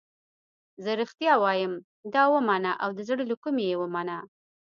زه رښتیا وایم دا ومنه او د زړه له کومې یې ومنه.